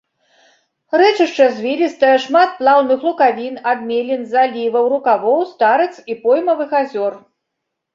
Рэчышча звілістае, шмат плаўных лукавін, адмелін, заліваў, рукавоў, старыц і поймавых азёр.